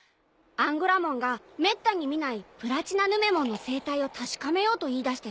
アンゴラモンがめったに見ないプラチナヌメモンの生態を確かめようと言いだしてさ。